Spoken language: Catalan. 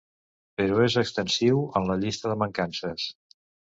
Però és extensiu en la llista de mancances.